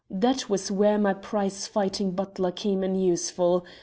That was where my prize fighting butler came in useful.